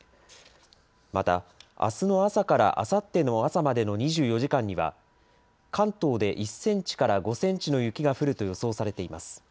また、あすの朝からあさっての朝までの２４時間には、関東で１センチから５センチの雪が降ると予想されています。